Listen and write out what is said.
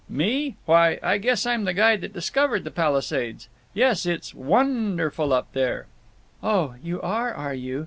"Me? Why, I guess I'm the guy that discovered the Palisades!… Yes, it is won derful up there!" "Oh, you are, are you?